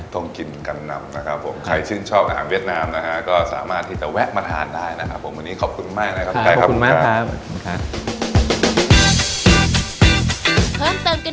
ตงกินกันนำนะครับผม